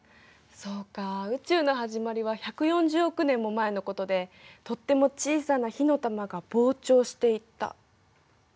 そうか「宇宙のはじまり」は１４０億年も前のことでとっても小さな火の玉が膨張していった。